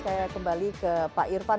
saya kembali ke pak irfan